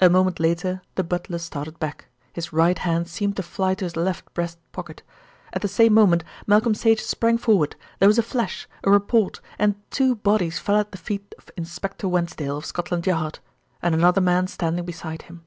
A moment later the butler started back, his right hand seemed to fly to his left breast pocket. At the same moment Malcolm Sage sprang forward. There was a flash, a report, and two bodies fell at the feet of Inspector Wensdale, of Scotland Yard, and another man standing beside him.